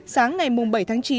sáng ngày bảy tháng chín